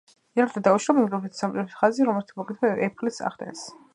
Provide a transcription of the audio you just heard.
ინტერნეტთან დაკავშირებული მულტიმედიური სმარტფონების ხაზი, რომლის მარკეტინგს კომპანია Apple ახდენს.